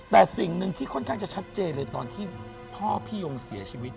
แต่สิ่งหนึ่งที่ค่อนข้างจะชัดเจนเลยตอนที่พ่อพี่ยงเสียชีวิต